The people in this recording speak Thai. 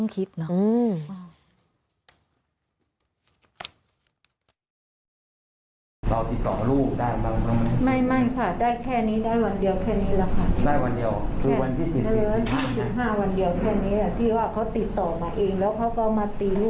คิดเนาะ